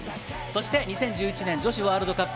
２０１１年、女子ワールドカップ。